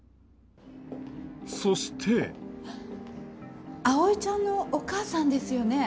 そして葵ちゃんのお母さんですよね？